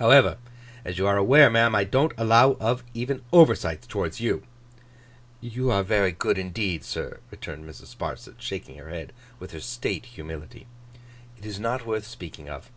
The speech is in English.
However, as you are aware, ma'am, I don't allow of even oversights towards you.' 'You are very good indeed, sir,' returned Mrs. Sparsit, shaking her head with her State humility. 'It is not worth speaking of.